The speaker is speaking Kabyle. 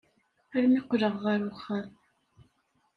Armi qqleɣ ɣer uxxam.